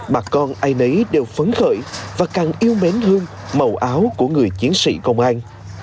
bà con ai nấy đều phấn khởi và càng yêu mến hương màu áo của người chiến sĩ công an